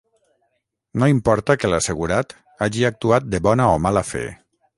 No importa que l'assegurat hagi actuat de bona o mala fe.